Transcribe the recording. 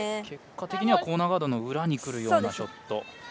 結果的にコーナーガードの裏に来るようなショット。